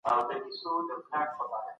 عصبي پېغامونه مغز ته لېږدول کېږي.